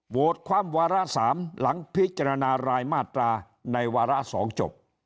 ๓โหวตความวาระสามหลังพิจารณารายมาตราในวาระสองจบ